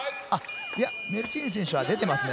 いや、メルチーヌ選手は出てますね。